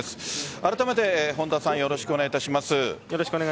あらためて本田さんよろしくお願いいたします。